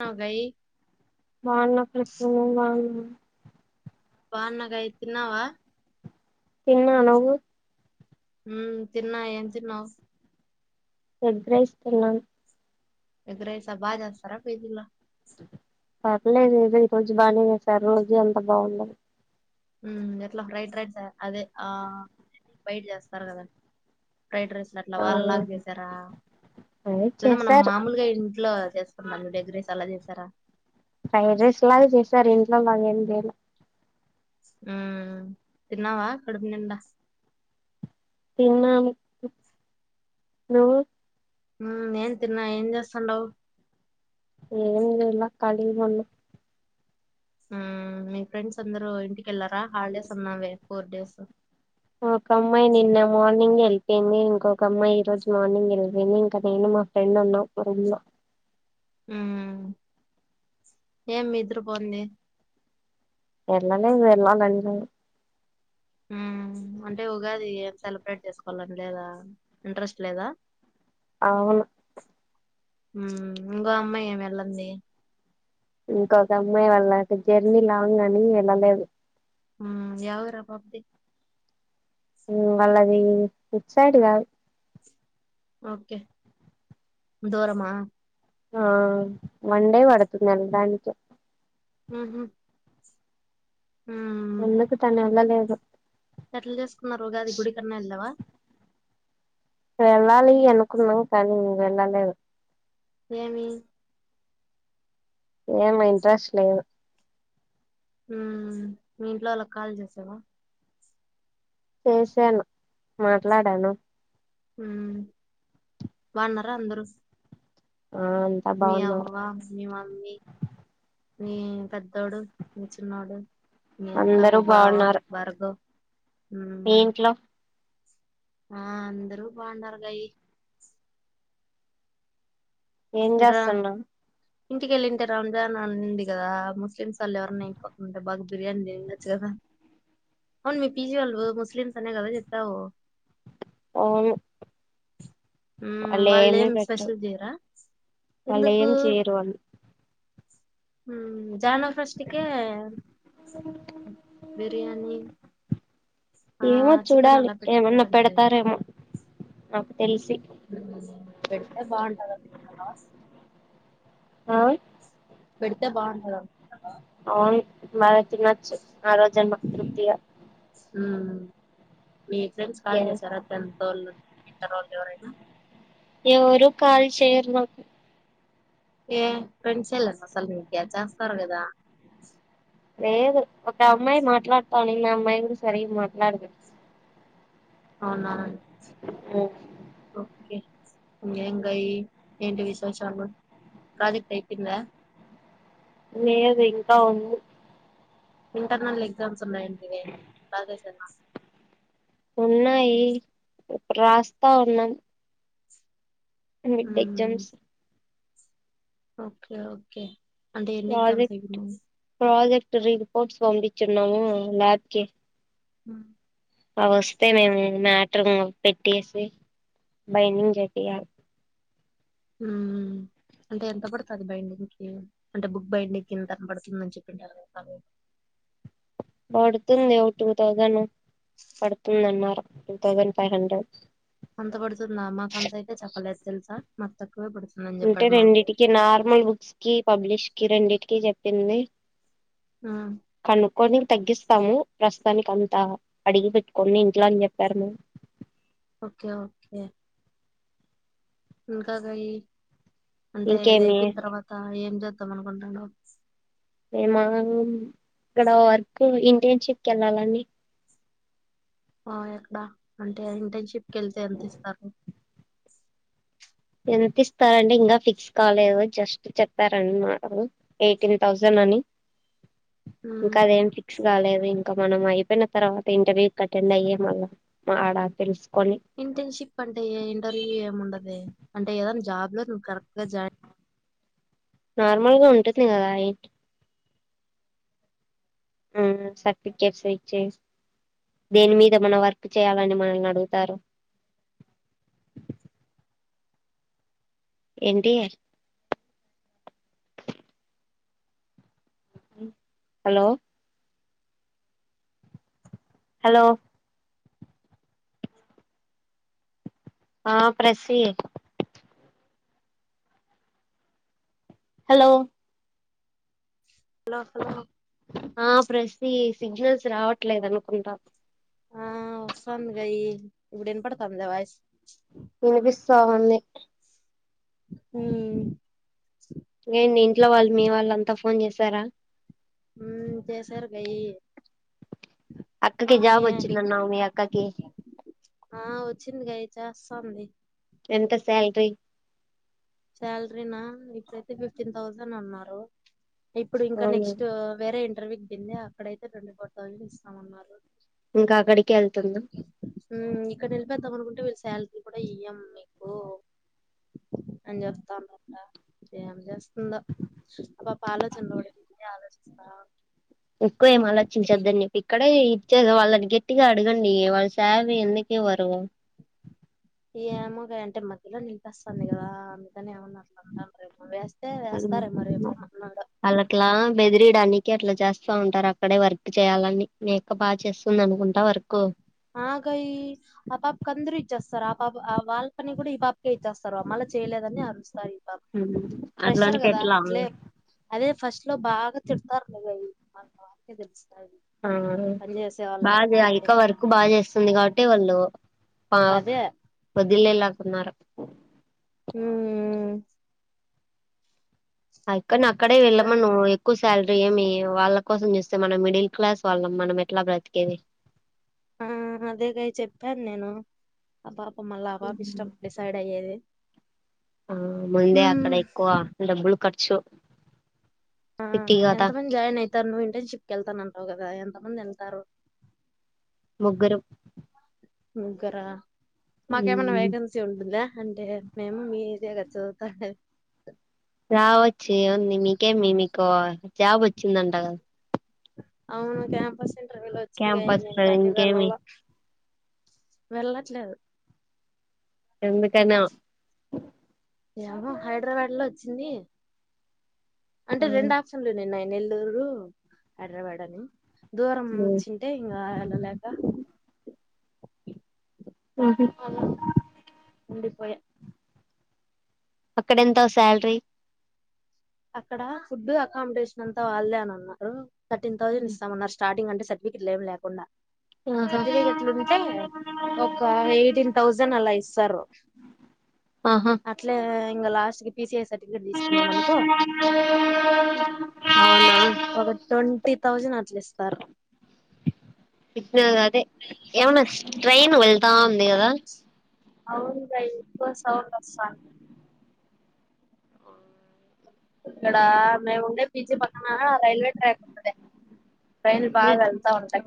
తిన్నావా గయి బాన్న ప్రస్తుంగం బన్నా [unintelligible] వానకాయ తిన్నావా ఎలాఉన్నావు హు తిన్నా ఏం తిన్నావు. ఎగ్ రైస్ తిన్నాను. ఎగ్ రైసా? బాగా చేస్తారా మీ ఇంట్లో. పర్లేదు ఏదో ఈ రోజు బాగానే చేశా రోజూ అంత బాగుండదు. హుమ్మ్ ఎట్లా ఫ్రైడ్ రైస్ అదే ఆ బయట చేస్తారు కదా ఫ్రైడ్ రైస్ అట్లా ఆ వాళ్ళ లాగ చేసారా? అదే లేదా మనం చేసారు మామూలుగా ఇంట్లో చేస్తుకుంటాము కదా ఎగ్ రైస్ అలా చేశారా? ఫ్రైడ్ రైస్ లాగ చేసారు. ఇంట్లో మరి ఏం లేదు. మ్ తిన్నావా కడుపు నిండా. తిన్నాను. నువ్వు నేను తిన్నా ఏం చేస్తాండవు? ఖాళీ గా ఉన్నా మ్ మీ ఫ్రెండ్స్ అందరూ ఇంటికి వెళ్ళారా? హాలిడేస్ అన్నావే ఫోర్ డేస్. ఒక అమ్మాయి నిన్న మార్నింగ్ వెళ్ళిపోయింది. ఇంకొక అమ్మాయి ఈ రోజు మార్నింగ్ వెళ్ళియింది. ఇంకా నేను మా ఫ్రెండ్ ఉన్నాం మా రూమ్ లో. మ్ ఏం ఇద్దరూ పోంది వెళ్ళలే వెళ్లాలని లేదు అంటే ఉగాది ఏం సెలబ్రేట్ చేసుకోవాలని లేదా ఇంట్రెస్ట్ లేదా? ఆవును ఇంకో అమ్మాయి ఏమి వెళ్ళంది? ఇంకొక అమ్మాయి వాళ్ళ జర్నీ లాంగ్ ని వెళ్ళలేదు. ఉమ్ యా ఊరు ఆ పాపది ఉమ్ వాళ్ళది ఇటుసైడ్ కాదు ఓకే దూరమా ఆ వండే పడుతుంది వెళ్ళడానికి ఉహూ అందుకు తను వెళ్ళలేదు ఎట్ల చేసుకున్నారు ఉగాది గుడి కన్నా వెళ్ళావా వెళ్ళాలి అనుకున్నాం కానీ వెళ్ళలేదు ఏమి ఏమో ఇంట్రెస్ట్ లేదు ఉమ్ మీ ఇంట్లో వాళ్ళకు కాల్ చేసావా చేసాను మాట్లాడాను హ్మ్ బాగున్నారా అందరూ ఆ అంతా మీ బాగున్నారు అవ్వ మీ మమ్మీ మీ పెద్దోడు మీ చిన్నోడు మీ అక్క అందరూ మీ బావ బాగున్నారు భార్గవ్ ఉమ్ మీ ఇంట్లో ఆ అందరూ బాగుండారు కయి ఏం రా చేస్తున్నావ్ ఇంటికెళ్ళింటే రంజాన్ ఉన్నింది కదా ముస్లిమ్స్ వాళ్ళు ఎవరన్నా ఇంటి పక్కన ఉంటే బాగా బిర్యానీ తినిండొచ్చు కదా అవును మీ పీజీ వాళ్ళు ముస్లిమ్స్ అనే కదా చెప్పావు అవును మ్మ్, వాళ్ళు ఏమి వాళ్ళేం పెట్టరు స్పెషల్ చేయరా వాళ్ళు ఎందుకు ఏమి చేయరు వాళ్ళు ఉమ్ జనవరి ఫస్ట్ కే బిర్యాని ఏమో చూడాలి ఏమన్నా పెట్టారంటే పెడతారేమో నాకు తెలిసి ఉమ్ పెడితే బాగుంటది అనుకుంటున్నావా ఆ పెడితే బాగుంటది అని అనుకుంటున్నావా అవును బాగా తినచ్చు ఆ రోజన్న తృప్తిగా ఉమ్ మీ ఫ్రెండ్స్ కాల్ చేశారా టెన్త్ వోళ్ళు ఇంటర్ వొళ్ళు ఎవరైనా ఎవరు కాల్ చేయరు మాకు ఏ ఫ్రెండ్స్ ఏ లేరా అసలు మీకి చేస్తారు కదా లేదు ఒక అమ్మాయి మాట్లాడతానింది ఆ అమ్మాయి కూడా సరిగా మాట్లాడదు అవునా ఓ ఏం కాయి ఏంటి విశేషాలు ప్రాజెక్ట్ అయిపోయిందా లేదు ఇంకా ఉంది ఇంటర్నల్ ఎగ్జామ్స్ ఉన్నాయండీ బా చేసానా ఉన్నాయి ఇప్పుడు రాస్తా ఉన్నాం మిడ్ హ్మ్. ఎగ్జామ్స్ ఓకే ఓకే అంటే ఎన్ని ఎగ్జామ్స్ ప్రాజెక్ట్ అయిపోయినాయి? ప్రాజెక్ట్ రిపోర్ట్స్ పంపించున్నాము ల్యాబ్ కి ఉమ్ అవి వస్తే మేము మ్యాటర్ పెట్టేసి బైండింగ్ చేపియాలి ఉమ్ అంటే ఎంత పడుతది బైండింగ్ కి అంటే బుక్ బైండింగ్ కి ఇంత అని పడుతుందని చెప్పింటారు కదా అలా పడుతుంది ఒక టూ తౌసండ్ పడుతుందన్నారు టూ థౌజండ్ ఫైవ్ హండ్రెడ్ అంత పడుతుందా మాక అంత అయితే చెప్పలేదు తెలుసా మాకు తక్కువ అంటే రెండిటికి నార్మల్ బుక్స్ కి పబ్లిష్ కి రెండిటికి చెప్పింది హ్మ్. కనుక్కొని తగ్గిస్తాము దానికి అంత అడిగి పెట్టుకొని ఇంట్లో అని చెప్పారు ఓకే ఓకే ఇంకా గయ అంటే ఇది ఇంకేమి అయిపోయిన తర్వాత ఏం చేద్దాం అనుకుంటు హలో మేమా ఇక్కడ వర్క్ ఇంటర్న్షిప్ కి వెళ్ళాలని ఆ ఎక్కడ అంటే ఇంటర్న్షిప్ కి వెళ్తే ఎంత ఇస్తారు ఎంత ఇస్తారండి ఇంకా ఫిక్స్ కాలేదు జస్ చెప్పారండి మాట ఎయిటీన్ థౌసండ్ అని ఇంకా ఉమ్ అదేం ఫిక్స్ కాలేదు ఇంకా మనం అయిపోయిన తర్వాత ఇంటర్వ్యూ అటెండ్ అయ్యే మళ్ళ ఆడ తెలుసు ఇంటర్న్షిప్ అంటే ఇంటర్వ్యూ ఏమి ఉండదు అంటే ఏదనా జాబ్ లో నువ్వు కరెక్ట్ గా జాయిన్ నార్మల్గా ఉంటది కదా అయిట్ ఉ సర్టిఫికెట్స్ ఇచ్చి దేని మీద మనం వర్క్ చేయాలని మనల్ని అడుగుతారు ఏంటి హలో హలో ఆ ప్రసి హలో హలో హలో ఆ ప్రసి సిగ్నల్స్ రావట్లేదు అనుకుంటా ఆ వస్తాంది గయి ఇప్పుడు ఇనపడతంద వాయిస్ వినిపిస్తా ఉంది ఉ ఏంది ఇంట్లో వాళ్ళు మీ వాళ్ళు అంతా ఫోన్ చేసారా ఉ చేసారు గయి అక్కకి జాబ్ నే వచ్చిందన్నావు మీ అక్కకి సంది ఎంత సాలిరీ శాలరీనా ఇప్పుడైతే ఫిఫ్టీన్ థౌజండ్ అన్నారు ఇప్పుడు ఇంకా అవును నెక్స్ట్ వేరే ఇంటర్వ్యూ కిందే అక్కడయితే ట్వంటీ ఫోర్ థౌజండ్ ఇస్తామన్నారు ఇంకా అక్కడికి వెళ్తుంద ఉ ఇక్కడ నిలిపెద్దాం అనుకుంటే వీళ్ళు శాలరీ కూడా ఇయ్యం మీకు అని చెప్తాందంట ఏం చేస్తుందో ఆ పాప ఆలోచనలు పడింది ఆలోచిస్తా ఎక్కువ ఏం ఆలోచించద్దని చెప్పి ఇక్కడే ఇచ్చే వాళ్ళనికి వటిగా అడగండి వాళ్లు శాలరీ ఎందుకు ఇవ్వరు ఏమో గయి అంటే మధ్యలో నిలిపేస్తాంది కదా అందుకని ఏమన్నా అట్ల అన్నారు రేపు వేస్ అట్లా వాళ్ళట్ల బెదిరియడానికి అట్లా జ స ఉంటారు అక్కడే వర్క్ చేయాలని మీ అక్క బాగా చేస్తుంది అనుకుంటా వర్క్ ఆ గయి అ పాపకి అందరూ ఇచ్చేస్తారు ఆ పాప్ ఆ వాళ్పని కూడా ఈ పాపకే ఇచ్చేస్తారు మళ్ళ చేయలేదని అరుస్తారు ఈ పాపకి ప్రెషర్ అట్లాంటే కదా ఎట్లా అట్లే అదే ఫస్ట్ లో బాగా తిడతారు గయి అది బాగా తెలుసు ఆ బా ఆ లేకపోతే అక్క వర్క్ బాగా చేస్తుంది కాబట్టి వాళ్ళు ఆ అదే వదిలేలకున్నారు ఊ అక్కని అక్కడే వెళ్ళమను ఎక్కువ శాలరీ ఏమి వాళ్ళ కోసం చూస్తే మనం మిడిల్ క్లాస్ వాళ్ళం మనం ఎట్లా బ్రతికేది ఆ అదేగాయ్ చెప్పాను నేను ఆ పాప మళ్ళా ఆ పాప ఇష్టం డిసైడ్ అయ్యేది ఆ ముందే అక్కడ ఉమ్ ఎక్కువ డబ్బులు ఖర్చు ఆ సిటీ కదా ఎంత మంది జాయిన్ అయితాను ఇంటర్న్షిప్ కి వెళ్తన్నాను ఆవ్ గదా ఎంతమంది వెళ్తారు ముగ్గురం ముగ్గరా మాకేమైనా మ్మ్ వేకన్సీ ఉంటుందా అంటే మేము మీదే కదా చదువుతన్నేది రావచ్చు ఏముంది మీకేమి మీకు జాబ్ వచ్చిందంట కాదా అవును క్యాంపస్ ఇంటర్వ్యూ లో వచ్చింది కాని క్యాంపస్ నేను లో కానీ ఇంకేమి వేళ్ళలే వెళ్ళట్లేదు ఎందుకు అనో ఏమో హైదరాబాద్ లో వచ్చింది అంటే రెండు ఆప్షన్లు ఉండినున్నాయి నెల్లూరు హైదరాబాద్ అని దూరం వచ్చింటే ఇంగ వెళ్ళలేక ఓహో పోయా అక్కడ ఎంత శాలరీ అక్కడ ఫుడ్ అకామిడేషన్ అంతా వాళ్ళదే అన్నారు థర్టీన్ థౌసండ్ ఇస్తామన్నారు స్టార్టింగ్ అంటే వీకిట్ లేం లేకుండా ఆహా సర్టిఫికెట్లు ఉంటే ఒక ఎయిటీన్ థౌజండ్ అలా ఇస్తారు ఆహా అట్లే ఇంకా లాస్ట్ కి పిసిఐ సర్టిఫికేట్ తీసుకున్నాం అనుకో అ ఒక ట్వంటీ థౌజండ్ అట్ల ఇస్తారు ఇప్పుడు నాది అదే ఏమన్నా ట్రైన్ వెళ్తా ఉంది కదా అవును ట్రైన్ [unintelligible] సౌండ్ వస్తంది ఇక్కడ మేము ఉండే పిజి పక్కన రైల్వే ట్రాక్ ఉంటుంది టైన్లు బాగా వెళ్తా ఉంటాయి